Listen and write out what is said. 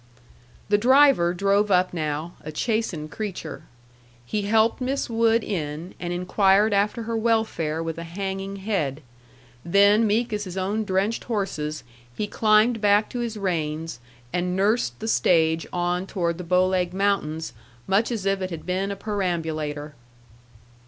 The driver drove up now, a chastened creature. He helped Miss Wood in, and inquired after her welfare with a hanging head; then meek as his own drenched horses, he climbed back to his reins, and nursed the stage on toward the Bow Leg Mountains much as if it had been a perambulator.